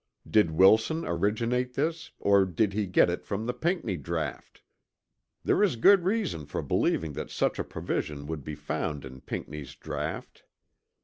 Did Wilson originate this or did he get it from the Pinckney draught? There is good reason for believing that such a provision would be found in Pinckney's draught.